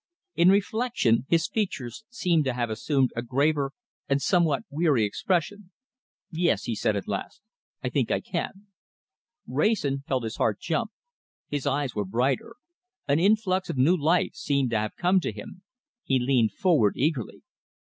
In reflection his features seemed to have assumed a graver and somewhat weary expression. "Yes!" he said at last, "I think that I can." Wrayson felt his heart jump. His eyes were brighter. An influx of new life seemed to have come to him. He leaned forward eagerly.